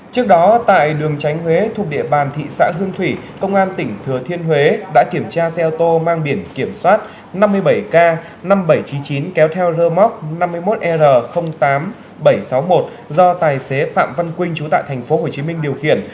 trước đó tại đường tránh huế thuộc địa bàn thị xã hương thủy công an tỉnh thừa thiên huế đã kiểm tra xe ô tô mang biển kiểm soát năm mươi bảy k năm nghìn bảy trăm chín mươi chín kéo theo rơ móc năm mươi một r tám nghìn bảy trăm sáu mươi một do tài xế phạm văn quynh trú tại tp hcm điều khiển